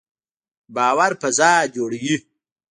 باور فضا جوړوي